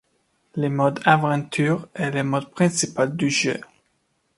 Le mode aventure est le mode principal du jeu.